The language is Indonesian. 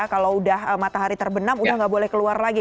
kalau udah matahari terbenam udah nggak boleh keluar lagi